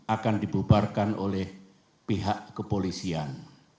akan dibubarkan oleh pihak kepolisian